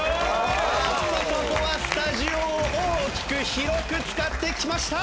あーっとここはスタジオを大きく広く使ってきました！